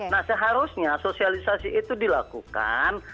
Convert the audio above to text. nah seharusnya sosialisasi itu dilakukan